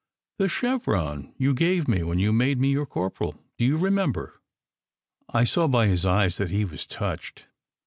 The chevron you gave me when you made me your corporal. Do you remember?" I saw by his eyes that he was touched.